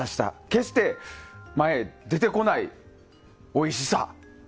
決して前へ出てこないおいしさ。